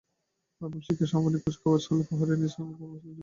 কেবল শিক্ষা সমাপনী কুচকাওয়াজ হলেই প্রহরীরা নিজ নিজ কর্মস্থলে যোগ দিতে পারবেন।